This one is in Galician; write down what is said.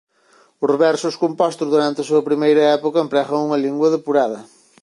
Os versos compostos durante a súa primeira época empregan unha lingua depurada.